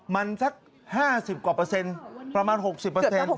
มันสัก๕๐กว่าเปอร์เซ็นต์ประมาณ๖๐เปอร์เซ็นต์